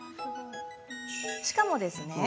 しかもですね